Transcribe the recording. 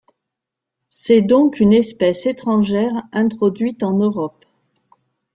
C'est donc une espèce étrangère introduite en Europe.